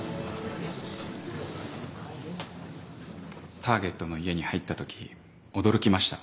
ターゲットの家に入ったとき驚きました。